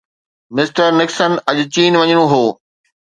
mister Nixon اڄ چين وڃڻو هو